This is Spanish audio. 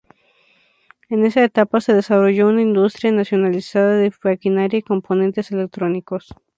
En esa etapa se desarrolló una industria nacionalizada de maquinaria y componentes electrónicos.